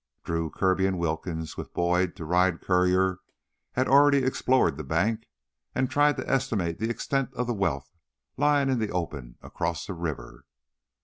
Drew, Kirby, and Wilkins, with Boyd to ride courier, had already explored the bank and tried to estimate the extent of the wealth lying in the open, across the river.